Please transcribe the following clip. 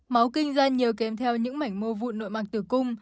máu kinh ra nhiều kèm theo những mảnh mô vụn nội mạc tử cung